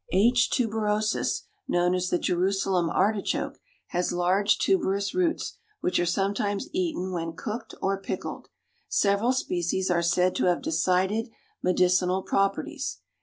H. tuberosus, known as the Jerusalem artichoke, has large tuberous roots which are sometimes eaten when cooked or pickled. Several species are said to have decided medicinal properties.